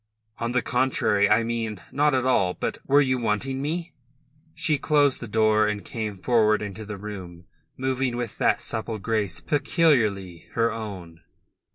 "On the contrary. I mean... not at all. But... were you wanting me?" She closed the door, and came forward into the room, moving with that supple grace peculiarly her own.